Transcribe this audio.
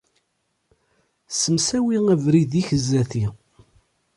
Ssemsawi abrid-ik sdat-i.